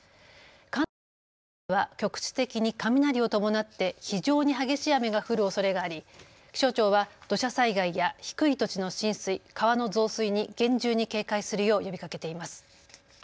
関東北部では局地的に雷を伴って非常に激しい雨が降るおそれがあり気象庁は土砂災害や低い土地の浸水、川の増水に厳重に警戒するよう呼びかけています。